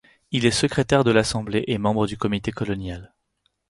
Il est secrétaire de l'Assemblée et membre du comité colonial.